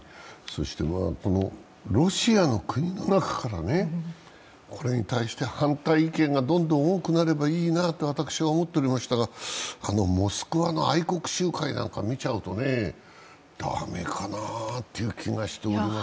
ロシアの国の中から、これに対して反対意見がどんどん多くなればいいなと私は思っておりましたが、あのモスクワの愛国集会なんか見ちゃいますとね、駄目かなっていう気がしますね。